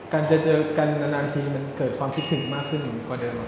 การเจอเนื้อคิดถึงมันเกิดความสิ้นกำลังกว่าเดิม